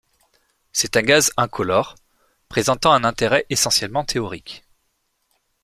C'est un gaz incolore présentant un intérêt essentiellement théorique.